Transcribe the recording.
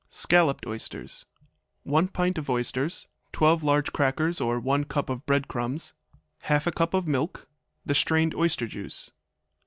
Scalloped Oysters 1 pint of oysters. 12 large crackers, or 1 cup of bread crumbs. 1/2 cup of milk. The strained oyster juice.